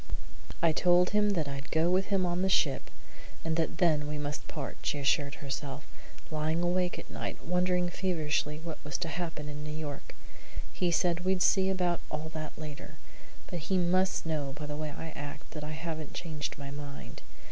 "I told him that I'd go with him on the ship, and that then we must part," she assured herself, lying awake at night, wondering feverishly what was to happen in New York. "He said we'd see about all that later, but he must know by the way I act that I haven't changed my mind.